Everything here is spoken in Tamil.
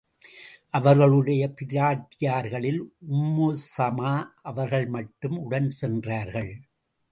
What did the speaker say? அவர்களுடைய பிராட்டியார்களில் உம்மு ஸமா அவர்கள் மட்டும் உடன் சென்றார்கள்.